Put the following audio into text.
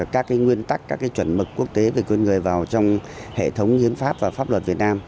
các nguyên tắc các chuẩn mực quốc tế về quyền người vào trong hệ thống hiến pháp và pháp luật việt nam